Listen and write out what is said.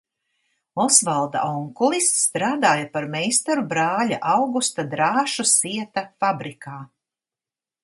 Osvalda onkulis strādāja par meistaru brāļa Augusta drāšu sieta fabrikā.